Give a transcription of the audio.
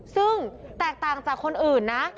ซึ่งแตกต่างจากคนอื่นนะ